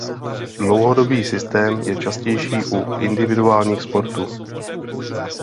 Dlouhodobý systém je častější u individuálních sportů.